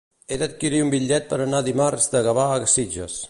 He d'adquirir un bitllet per anar dimarts de Gavà a Sitges.